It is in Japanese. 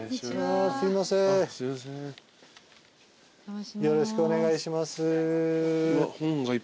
よろしくお願いします。